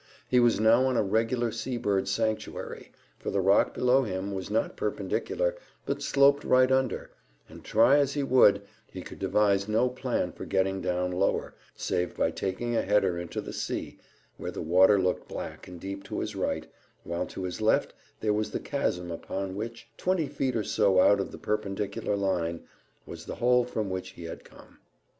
He was now on a regular sea birds' sanctuary, for the rock below him was not perpendicular; but sloped right under, and, try as he would, he could devise no plan for getting down lower, save by taking a header into the sea, where the water looked black and deep to his right, while to his left there was the chasm upon which, twenty feet or so out of the perpendicular line, was the hole from which he had come.